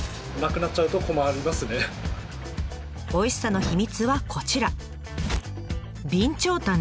おいしさの秘密はこちら。